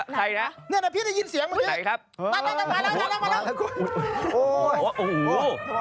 ใครนะใครครับโอ้โหโอ้โห